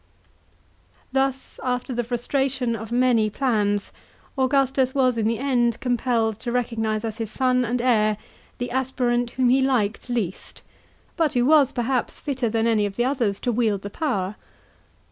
Thus, after the frustration of many plans, Augustus was in the end compelled to recognise as his son and heir the aspirant whom he liked least, but who was perhaps fitter than any of the others to wield the power.